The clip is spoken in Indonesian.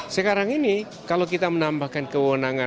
sekarang ini kalau kita menambahkan kewenangan